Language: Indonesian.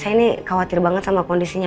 saya ini khawatir banget sama kondisinya